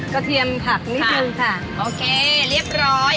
เทียมผักนิดนึงค่ะโอเคเรียบร้อย